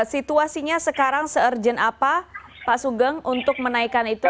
situasinya sekarang se urgent apa pak sugeng untuk menaikkan itu